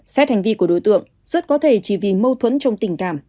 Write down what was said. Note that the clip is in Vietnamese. xét hành vi của đối tượng rất có thể chỉ vì mâu thuẫn trong tình cảm